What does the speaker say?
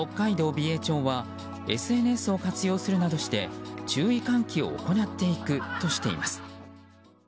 美瑛町はＳＮＳを活用するなどして注意喚起を行っていくとしています。